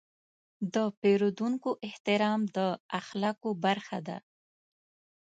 د پیرودونکو احترام د اخلاقو برخه ده.